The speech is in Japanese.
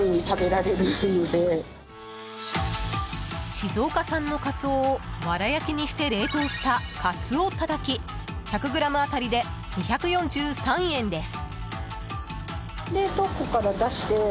静岡産のカツオをわら焼きにして冷凍したカツオたたき１００ｇ当たりで２４３円です。